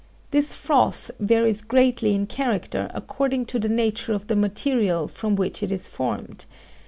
This froth varies greatly in character according to the nature of the material from which it is formed.